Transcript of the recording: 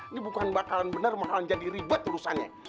ini bukan bakalan benar bakalan jadi ribet urusannya